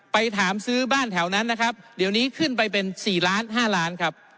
ไปถามซื้อบ้านแถวนั้นนะครับเดี๋ยวนี้ขึ้นไปเป็น๔ล้าน๕ล้านครับ